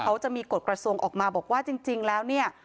เขาจะมีกฎกระทรวงออกมาบอกว่าจริงแล้วเนี่ย